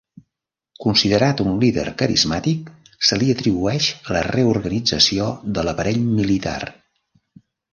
Considerat un líder carismàtic, se li atribueix la reorganització de l'aparell militar.